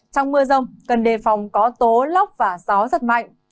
trong mưa rông cần đề phòng có tố lóc và gió rất mạnh